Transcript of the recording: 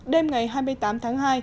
đêm ngày hai mươi tám tháng hai